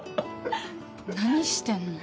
何してんの？